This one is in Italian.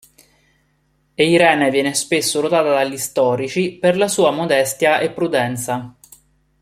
Eirene viene spesso lodata dagli storici per la sua modestia e prudenza.